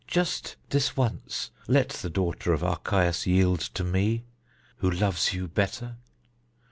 Just this once let the daughter of Archias yield to me, who loves you better.